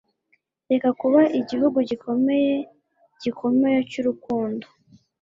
reka kuba igihugu gikomeye gikomeye cyurukundo